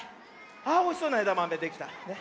あおいしそうなえだまめできた。